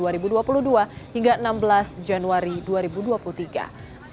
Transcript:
piala aff dua ribu dua puluh dua akan digelar pada dua puluh desember dua ribu dua puluh satu